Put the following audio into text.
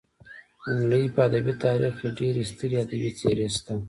د نړۍ په ادبي تاریخ کې ډېرې سترې ادبي څېرې شته.